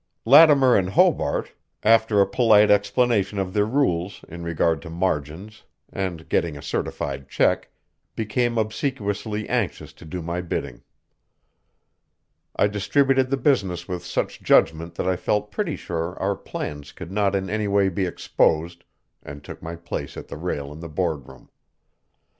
Lattimer and Hobart, after a polite explanation of their rules in regard to margins, and getting a certified check, became obsequiously anxious to do my bidding. I distributed the business with such judgment that I felt pretty sure our plans could not in any way be exposed, and took my place at the rail in the Boardroom.